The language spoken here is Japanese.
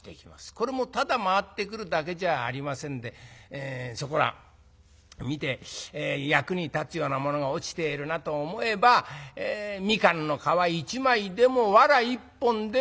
これもただ回ってくるだけじゃありませんでそこら見て役に立つようなものが落ちているなと思えばみかんの皮１枚でもわら１本でも持って帰ります。